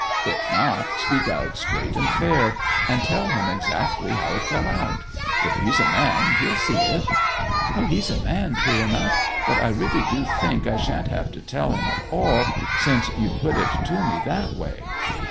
'If not, speak out straight and fair, and tell him exactly how it fell out. If he's a man he'll see it.' 'O he's a man true enough. But I really do think I shan't have to tell him at all, since you've put it to me that way!'